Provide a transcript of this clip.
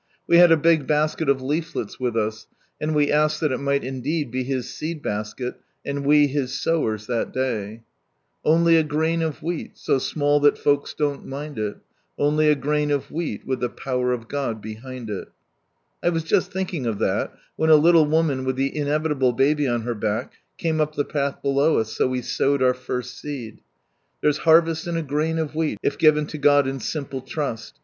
We had a big basket of leaflets with us, and we asked thai ii might indeed be His seed basket, and we His sowers that day. Only n grain o! wheat, wiili ihe Power of GoJ behind ii." I was just thinking of that, when a little woman with the inevitable baby on her back came up the path below us, so we sowed our first seed, "There's harvest in a grain of wheat. If given to God in simple trast.